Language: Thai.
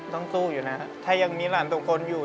ต้องสู้อยู่นะถ้ายังมีหลานทุกคนอยู่